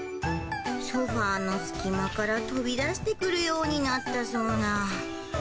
ソファの隙間から飛び出してくるようになったそうな。